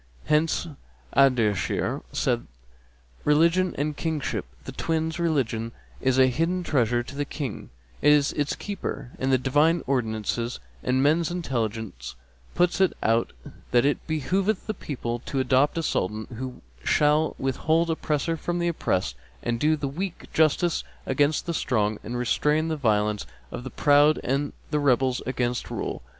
Hence Ardeshir[FN#260] saith, 'Religion and Kingship be twins'; religion is a hidden treasure and the King is its keeper; and the Divine Ordinances and men's intelligence point out that it behoveth the people to adopt a Sultan who shall withhold oppressor from oppressed and do the weak justice against the strong and restrain the violence of the proud and the rebels against rule.